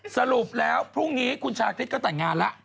สรุปแล้วพรุ่งนี้คุณชาคริสก็แต่งงานแล้ว